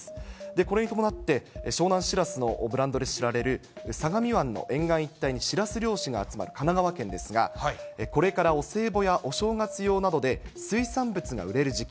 これに伴って、湘南しらすのブランドで知られる相模湾の沿岸一帯にしらす漁師が集まる、神奈川県ですが、これからお歳暮やお正月用などで、水産物が売れる時期。